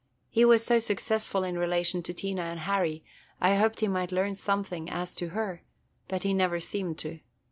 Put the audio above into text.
He was so successful in relation to Tina and Harry, I hoped he might learn something as to her; but he never seemed to.